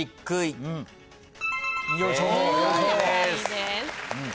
正解です。